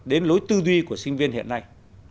đến lối tư duy của sinh viên hiện nay